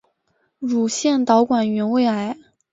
乳腺导管原位癌。